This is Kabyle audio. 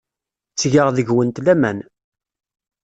Ttgeɣ deg-went laman.